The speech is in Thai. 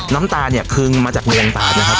น้ำตาเนี่ยคือมาจากเรียงตานะครับ